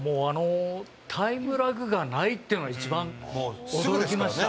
タイムラグがないっていうのが一番驚きました。